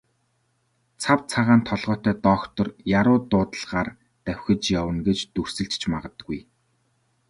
Цав цагаан толгойтой доктор яаруу дуудлагаар давхиж явна гэж дүрсэлж ч магадгүй.